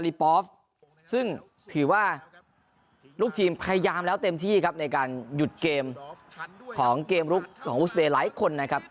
ซึ่งถือว่าลูกทีมพยายามแล้วเต็มที่ครับในการหยุดเกมของเกมลุกของอุสเบย์หลายคนนะครับ